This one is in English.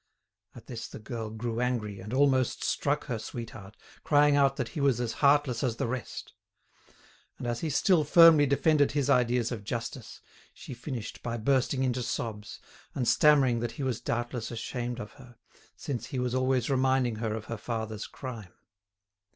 At this the girl grew angry, and almost struck her sweetheart, crying out that he was as heartless as the rest. And as he still firmly defended his ideas of justice, she finished by bursting into sobs, and stammering that he was doubtless ashamed of her, since he was always reminding her of her father's crime.